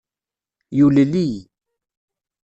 Yulel-iyi.